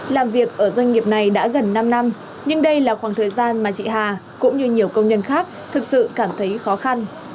làm việc ở doanh nghiệp này đã gần năm năm nhưng đây là khoảng thời gian mà chị hà cũng như nhiều công nhân khác thực sự cảm thấy khó khăn